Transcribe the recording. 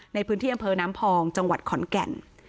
ในพื้นที่อำเภอน้ำพองจังหวัดขอนแก่น